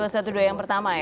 satu dua yang pertama ya